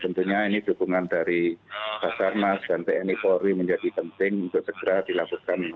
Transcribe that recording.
tentunya ini diperlukan dari pasar mas dan tni polri menjadi penting untuk segera dilakukan